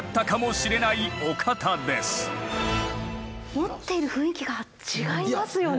持っている雰囲気が違いますよね。